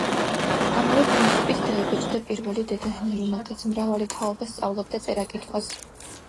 ამავე პრინციპით დაიბეჭდა პირველი „დედა ენა“, რომლითაც მრავალი თაობა სწავლობდა წერა-კითხვას.